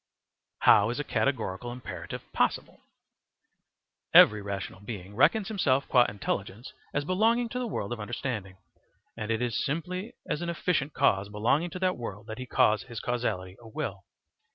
How is a Categorical Imperative Possible? Every rational being reckons himself qua intelligence as belonging to the world of understanding, and it is simply as an efficient cause belonging to that world that he calls his causality a will.